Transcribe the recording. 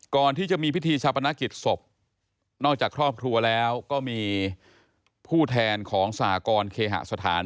ก่อนที่จะมีพิธีชาปนกิจศพนอกจากครอบครัวแล้วก็มีผู้แทนของสหกรณ์เคหสถาน